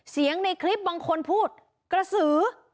ในคลิปบางคนพูดกระสือ